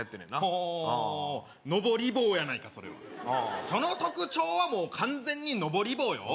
ほうのぼり棒やないかそれはその特徴はもう完全にのぼり棒よ